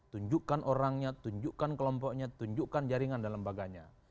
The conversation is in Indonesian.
tunjukkan orangnya tunjukkan kelompoknya tunjukkan jaringan dan lembaganya